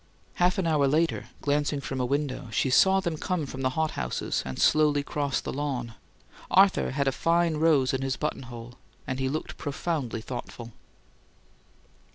Half an hour later, glancing from a window, she saw them come from the hothouses and slowly cross the lawn. Arthur had a fine rose in his buttonhole and looked profoundly thoughtful.